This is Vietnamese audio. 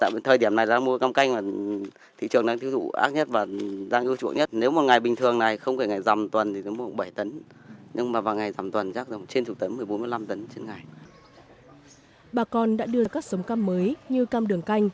bà con đã đưa các sống cam mới như cam đường canh